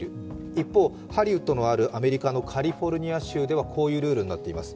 一方、ハリウッドのあるアメリカのカリフォルニア州ではこういうルールになっています。